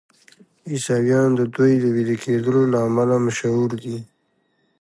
عیسویان د دوی د ویده کیدو له امله مشهور دي.